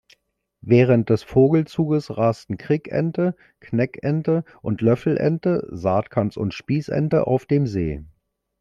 Während des Vogelzuges rasten Krickente, Knäkente und Löffelente, Saatgans und Spießente auf dem See.